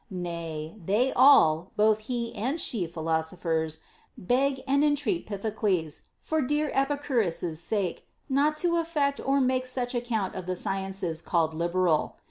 Nay, they all, both he and she philosophers, beg and en treat Pythocles, for dear Epicurus's sake, not to aifect or make such account of the sciences called liberal.